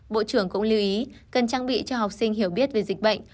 bộ trưởng cũng lưu ý cần trang bị cho học sinh hiểu biết về dịch bệnh